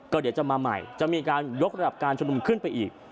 เดี๋ยวจะมาใหม่จะมีการยกระดับการชุมนุมขึ้นไปอีก